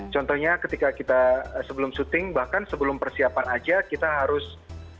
contohnya ketika kita sebelum syuting bahkan sebelum persiapan aja kita harus